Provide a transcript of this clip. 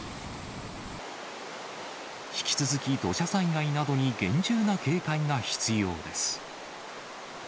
引き続き土砂災害などに厳重な警戒が必要です。